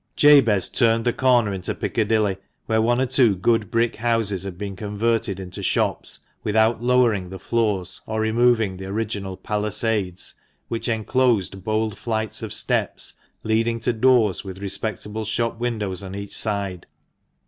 Jabez turned the corner into Piccadilly, where one or two good brick houses had been converted into shops without lowering the floors or removing the original palisades, which enclosed bold flights of steps leading to doors with respectable shop windows on each side.